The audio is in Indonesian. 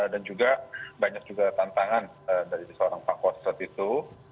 dan juga banyak juga tantangan dari seorang pangkostrat itu